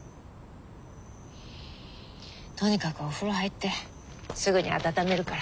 とにかくお風呂入ってすぐに温めるから。